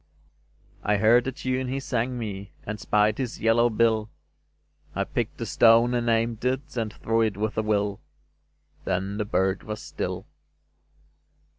I heard the tune he sang me, And spied his yellow bill; I picked a stone and aimed it And threw it with a will: Then the bird was still.